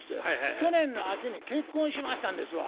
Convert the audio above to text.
去年の秋に結婚しましたんですわ。